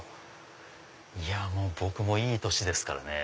もう僕もいい年ですからね。